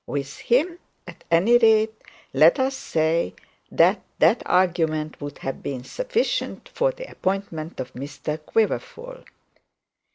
With him at any rate, let us say, that the argument would have been sufficient for the appointment of Mr Quiverful.